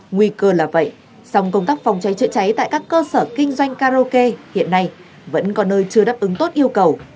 nguy cơ là vậy song công tác phòng cháy chữa cháy tại các cơ sở kinh doanh karaoke hiện nay vẫn có nơi chưa đáp ứng tốt yêu cầu